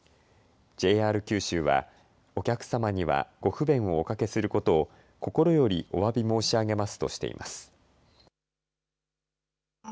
ＪＲ九州は、お客様にはご不便をおかけすることを心よりおわび申し上げますとしています。